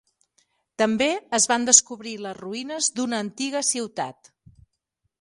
També es van descobrir les ruïnes d'una antiga ciutat.